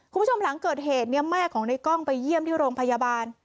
คุณผู้ชมหลังเกิดเหตุเนี่ยแม่ของในกล้องไปเยี่ยมที่โรงพยาบาล